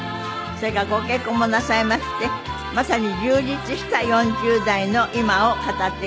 それからご結婚もなさいましてまさに充実した４０代の今を語っていただきます。